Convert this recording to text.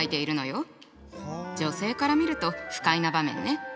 女性から見ると不快な場面ね。